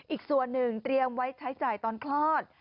อีกส่วนหนึ่งเตรียมไว้ใช้จ่ายตอนคลอด